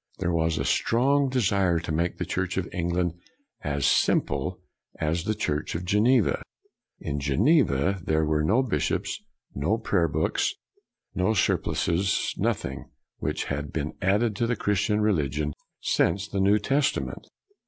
There was a strong de sire to make the Church of England as simple as the Church of Geneva. In Geneva there were no bishops, no prayer books, no surplices, nothing which had been added to the Christian religion since the New Testament.